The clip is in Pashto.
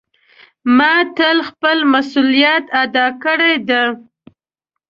ما تل خپل مسؤلیت ادا کړی ده.